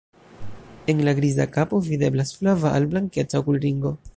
En la griza kapo videblas flava al blankeca okulringo.